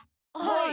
はい。